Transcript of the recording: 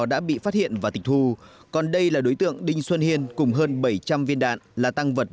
đã bị phát hiện và tịch thu còn đây là đối tượng đinh xuân hiên cùng hơn bảy trăm linh viên đạn là tăng vật